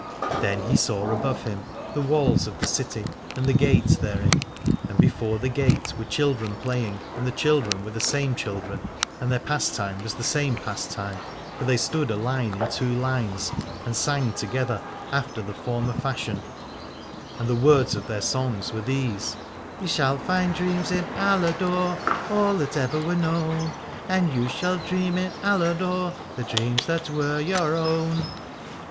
Then he saw above him the walls of the city and the gate therein, and before the gate were children playing, and the children were the same children and their pastime was the same pastime : for they stood aline in two lines 256 Aladore and sang together after the former fashion, and the words of their song were these — You shall find dreams in Aladore, All that ever were known : And you shall dream in Aladore The dreams that were your own.